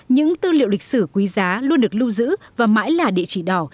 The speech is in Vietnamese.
những tư liệu lịch sử quý giá luôn được lưu giữ và mãi là địa chỉ đỏ